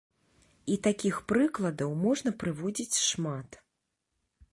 І такіх прыкладаў можна прыводзіць шмат.